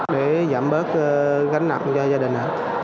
để giảm bớt gánh nặng cho gia đình